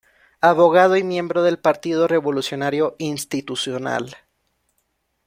Abogado y miembro del Partido Revolucionario Institucional.